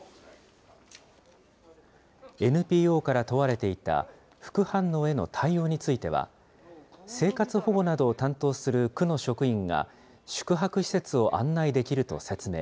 ＮＰＯから問われていた副反応への対応については、生活保護などを担当する区の職員が、宿泊施設を案内できると説明。